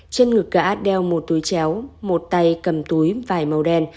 trên ngực cả đeo một túi chéo một tay cầm túi vài màu đen